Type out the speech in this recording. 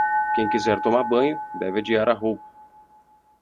Quem quiser tomar banho deve adiar a roupa.